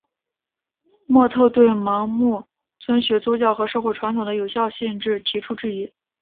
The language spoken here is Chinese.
莫特对盲目遵循宗教和社会传统的有效性提出质疑。